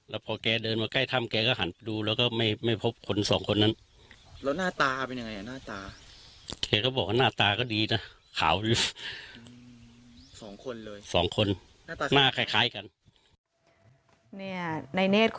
แล้วพอแกเดินมาใกล้ถ้ำแกก็ไม่ตายหรอก